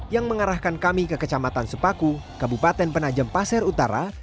yang mengarahkan kami ke kecamatan sepaku kabupaten penajam pasir utara